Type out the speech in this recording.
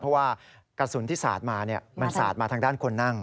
เพราะว่ากระสุนที่สาดมามันสาดมาทางด้านคนนั่ง